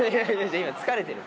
今疲れてる。